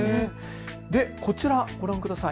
こちらご覧ください。